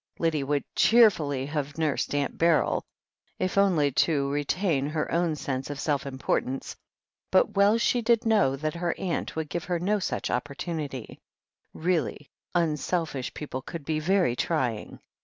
Lydia would cheerfully have nursed Aunt Beryl, if only to retain her own sense of self importance, but well did she^Jcnow that her aunt would give her no 50 THE HEEL OF ACHILLES such opportunity. Really, unselfish people could be very trying.